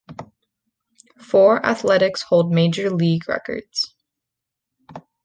Four Athletics hold Major League records.